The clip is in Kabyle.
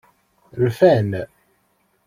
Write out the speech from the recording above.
Rfan.